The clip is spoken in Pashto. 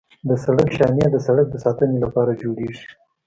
د سړک شانې د سړک د ساتنې لپاره جوړیږي